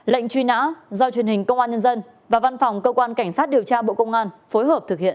lệnh truy nã do truyền hình công an nhân dân và văn phòng cơ quan cảnh sát điều tra bộ công an phối hợp thực hiện